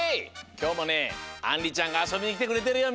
きょうもねあんりちゃんがあそびにきてくれてるよ